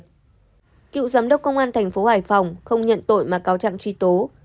cựu giám đốc công an tp hải phòng không nhận tội mà cáo chặn truy tố